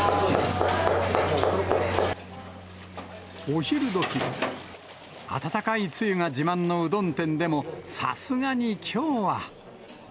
お昼時、温かいつゆが自慢のうどん店でも、さすがにきょうは。